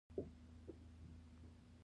روژه د صبر ښوونځی دی.